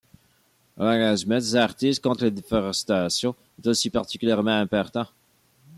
L'engagement des artistes contre la déforestation est aussi particulièrement important.